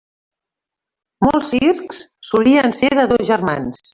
Molts circs solien ser de dos germans.